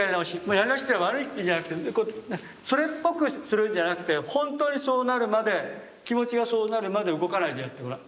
やり直しっていうのは悪いっていうんじゃなくてそれっぽくするんじゃなくて本当にそうなるまで気持ちがそうなるまで動かないでやってごらん。